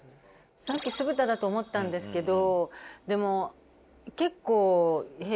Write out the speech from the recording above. さっき酢豚だと思ったんですけどでも。